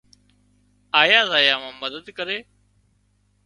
آيا زايا مان مدد ڪري۔